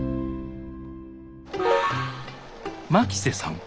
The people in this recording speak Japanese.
牧瀬さん